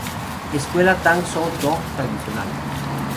Escuela Tang Soo Do Tradicional